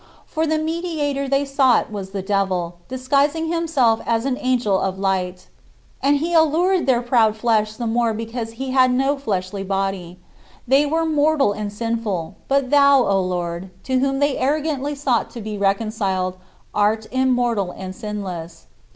For the mediator they sought was the devil, disguising himself as an angel of light. And he allured their proud flesh the more because he had no fleshly body. They were mortal and sinful, but thou, O Lord, to whom they arrogantly sought to be reconciled, art immortal and sinless.